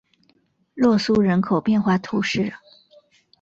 洛苏人口变化图示